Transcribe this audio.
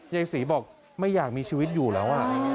ยายศรีบอกไม่อยากมีชีวิตอยู่แล้ว